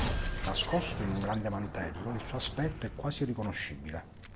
Nascosto in un grande mantello, il suo aspetto è quasi irriconoscibile.